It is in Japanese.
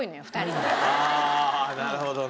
ああなるほどね。